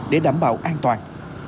để đảm bảo an toàn